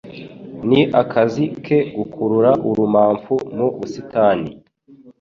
Ni akazi ke gukurura urumamfu mu busitani